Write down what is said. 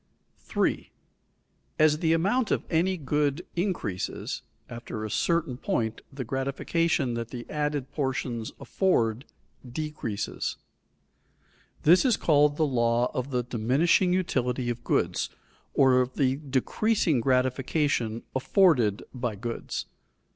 [Sidenote: The law of diminishing utility] 3. As the amount of any good increases, after a certain point the gratification that the added portions afford decreases. This is called the law of the diminishing utility of goods or of the decreasing gratification afforded by goods.